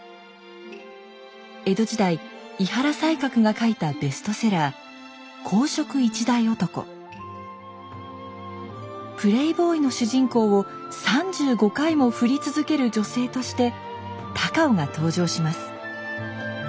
江戸時代井原西鶴が書いたベストセラープレーボーイの主人公を３５回もふり続ける女性として高尾が登場します。